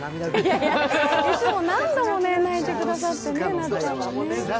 いつも何度も泣いてくださってね、なっちゃんもね。